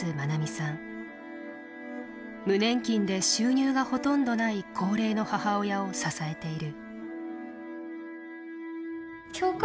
無年金で収入がほとんどない高齢の母親を支えている。